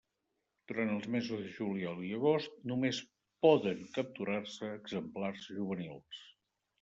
Durant els mesos de juliol i agost només poden capturar-se exemplars juvenils.